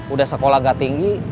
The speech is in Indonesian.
udah sekolah gak tinggi